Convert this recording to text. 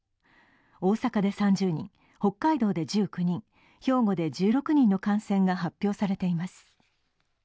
大阪で３０人、北海道で１９人、兵庫で１６人の感染が発表されています。